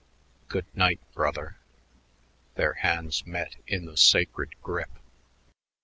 "Good night brother." Their hands met in the sacred grip.